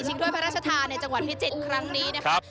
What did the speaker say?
ถ้วยพระราชทานในจังหวัดพิจิตรครั้งนี้นะครับ